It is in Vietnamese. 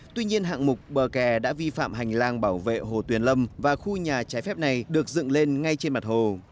tuy nhiên hạng mục bờ kè đã vi phạm hành lang bảo vệ hồ tuyền lâm và khu nhà trái phép này được dựng lên ngay trên mặt hồ